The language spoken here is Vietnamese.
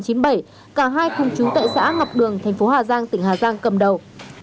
cả hai cùng chú tệ xã ngọc đường thành phố hà giang tỉnh hà giang cầm đầu